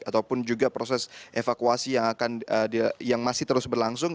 ataupun juga proses evakuasi yang masih terus berlangsung